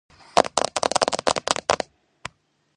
ტაძარი დარბაზული ტიპის ყოფილა, რომელსაც აქვს სამხრეთის მინაშენი.